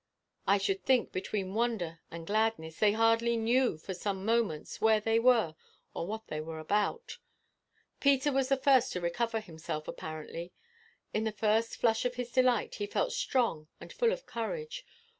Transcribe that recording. I should think, between wonder and gladness, they hardly knew for some moments where they were or what they were about. Peter was the first to recover himself apparently. In the first flush of his delight he felt strong and full of courage.